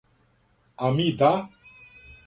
А ми да?